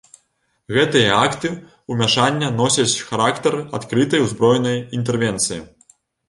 Гэтыя акты ўмяшання носяць характар адкрытай узброенай інтэрвенцыі.